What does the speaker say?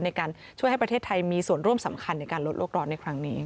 ในการช่วยให้ประเทศไทยมีส่วนร่วมสำคัญในการลดโลกร้อนในครั้งนี้